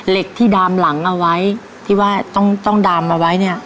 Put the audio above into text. เหล็กที่ดามหลังเอาไว้ที่ว่าต้องต้องดามเอาไว้เนี่ย